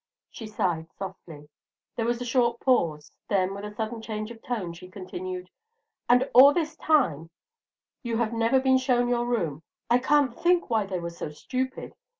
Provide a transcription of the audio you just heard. She sighed softly: there was a short pause. Then, with a sudden change of tone, she continued: "And all this time you have never been shown your room. I can't think why they were so stupid.